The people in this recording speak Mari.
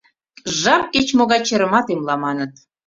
Жап кеч-могай черымат эмла, маныт.